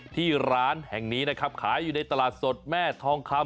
ที่ร้านแห่งนี้นะครับขายอยู่ในตลาดสดแม่ทองคำ